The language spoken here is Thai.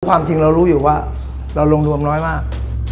ความจริงเรารู้อยู่ว่าเราลงรวมน้อยมาก